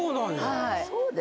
はい。